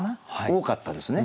多かったですね。